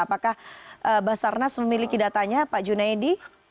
apakah basarnas memiliki datanya pak junaidi